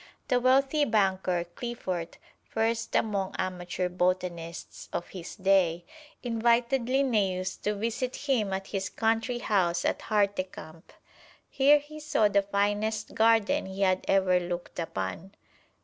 The wealthy banker, Cliffort, first among amateur botanists of his day, invited Linnæus to visit him at his country house at Hartecamp. Here he saw the finest garden he had ever looked upon.